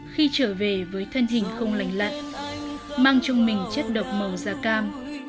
khi trở về với thân hình không lành lặn mang trong mình chất độc màu da cam